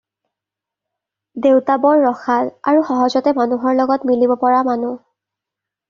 দেউতা বৰ ৰসাল আৰু সহজতে মানুহৰ লগত মিলিব পৰা মানুহ।